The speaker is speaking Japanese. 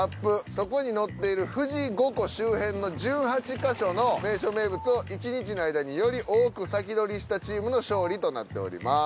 そこに載っている富士五湖周辺の１８ヵ所の名所名物を１日の間により多く先取りしたチームの勝利となっております。